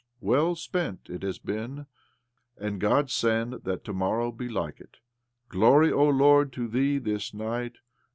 " Well spent it has been, and God send that to morrow be like it. Glory, О Lord, to Thee this night